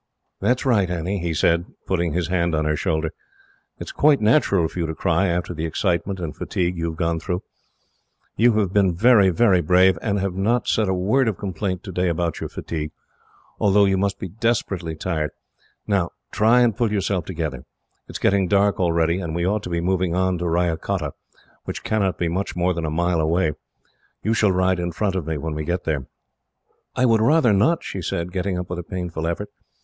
"That is right, Annie," he said, putting his hand on her shoulder. "It is quite natural for you to cry, after the excitement and fatigue you have gone through. You have been very brave, and have not said a word of complaint today about your fatigue, although you must be desperately tired. Now, try and pull yourself together. It is getting dark already, and we ought to be moving on to Ryacotta, which cannot be much more than a mile away. You shall ride in front of me, when we get there." "I would rather not," she said, getting up with a painful effort.